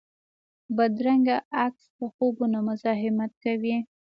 بدرنګه عکس د خوبونو مزاحمت کوي